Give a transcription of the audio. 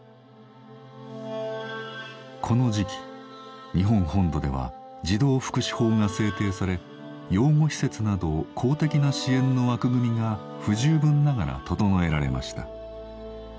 この時期日本本土では児童福祉法が制定され養護施設など公的な支援の枠組みが不十分ながら整えられました。